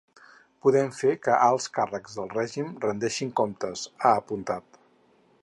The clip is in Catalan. “Podem fer que alts càrrecs del règim rendeixin comptes”, ha apuntat.